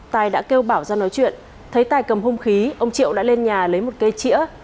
tài đã kêu bảo ra nói chuyện thấy tài cầm hung khí ông triệu đã lên nhà lấy một cây chĩa